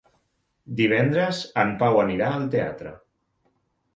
Divendres en Pau anirà al teatre.